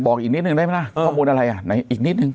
บอกอีกนิดหนึ่งได้ไหมนะข้อมูลอะไรอ่ะอีกนิดหนึ่ง